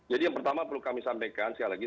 jadi yang pertama perlu kami sampaikan sekali lagi